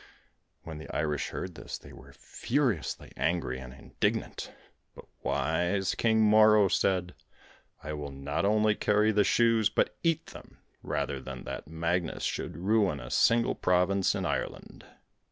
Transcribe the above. When the Irish heard this they were furiously angry and indignant, but wise King Morrough said: 'I will not only carry the shoes, but eat them, rather than that Magnus should ruin a single province in Ireland.'